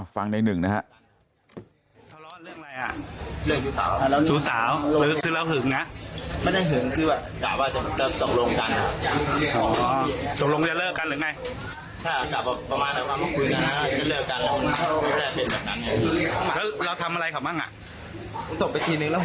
ฟังในหนึ่งนะฮะ